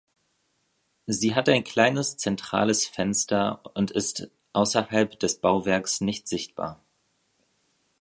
Sie hat ein kleines zentrales Fenster und ist außerhalb des Bauwerks nicht sichtbar.